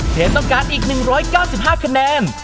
ต้องการอีก๑๙๕คะแนน